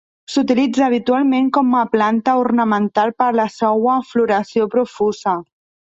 S'utilitza habitualment com a planta ornamental per la seua floració profusa.